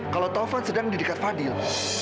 kalau taufan sedang di dekat fadil